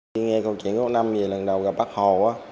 khi nghe câu chuyện của năm về lần đầu gặp bác hồ